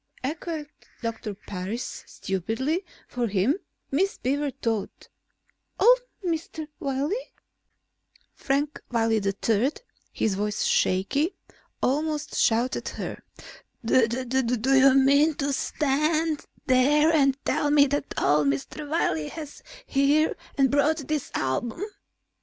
echoed Doctor Parris; stupidly, for him, Miss Beaver thought. "Old Mr. Wiley?" Frank Wiley III, his voice shaky, almost shouted at her. "Do you mean to stand there and tell me that old Mr. Wiley was here and brought that album?"